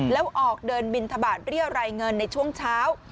แล้วออกเดินบินทบาทเรียรายเงินในช่วงเช้า